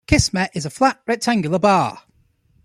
Kismet is a flat, rectangular bar.